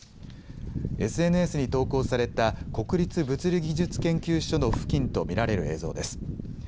ＳＮＳに投稿された国立物理技術研究所の付近と見られる映像です。